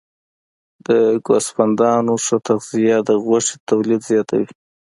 د ګوسفندانو ښه تغذیه د غوښې تولید زیاتوي.